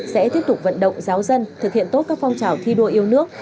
sẽ tiếp tục vận động giáo dân thực hiện tốt các phong trào thi đua yêu nước